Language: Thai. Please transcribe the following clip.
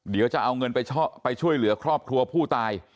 เดี๋ยวจะเอาเงินไปช่วยเหลือครอบครัวผู้ตาย